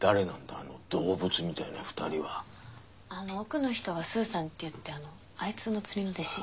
あの奥の人がスーさんっていってあのあいつの釣りの弟子。